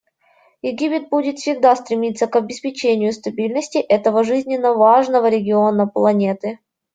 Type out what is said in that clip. Египет будет всегда стремиться к обеспечению стабильности этого жизненно важного региона планеты.